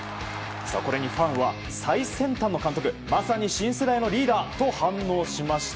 これにファンは最先端の監督まさに新世代のリーダーと反応しました。